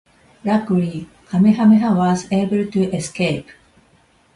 Luckily, Kamehameha was able to escape.